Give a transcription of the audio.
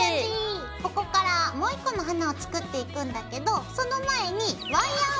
ここからもう一個の花を作っていくんだけどその前にワイヤーをね